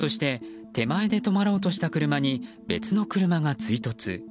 そして、手前で止まろうとした車に別の車が追突。